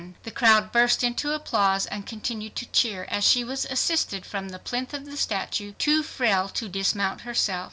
The crowd burst into applause and continued to cheer as she was assisted from the plinth of the statue, too frail to dismount by herself.